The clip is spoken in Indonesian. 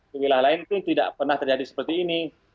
di wilayah lain pun tidak pernah terjadi seperti ini